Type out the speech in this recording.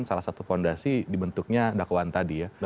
salah satu fondasi dibentuknya dakwaan tadi ya